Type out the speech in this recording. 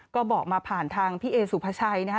ก็บอกมาผ่านทางพี่เอสุภาชัยนะฮะ